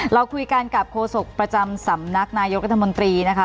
เราคุยกันกับโฆษกประจำสำนักนายกรัฐมนตรีนะคะ